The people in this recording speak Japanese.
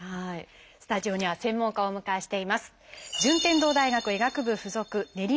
スタジオには専門家をお迎えしています。